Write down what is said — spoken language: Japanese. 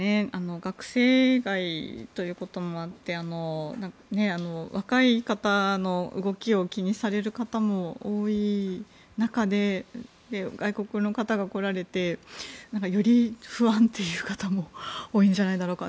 学生街ということもあって若い方の動きを気にされる方も多い中で外国の方が来られてより不安という方も多いんじゃないだろうか。